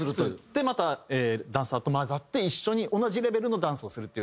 でまたダンサーと交ざって一緒に同じレベルのダンスをするっていう。